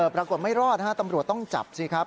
ปรากฏไม่รอดฮะตำรวจต้องจับสิครับ